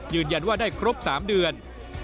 ยืนยันว่าได้ครบ๓เดือน